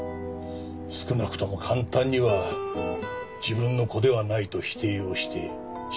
少なくとも簡単には自分の子ではないと否定をして死を願ったりはしないはずです。